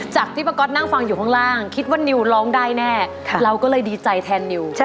จากที่ป้าก๊อตนั่งฟังอยู่ข้างล่างคิดว่านิวร้องได้แน่เราก็เลยดีใจแทนนิว